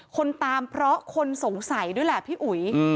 คนตามเพราะคนสงสัยด้วยแหละพี่อุ๋ย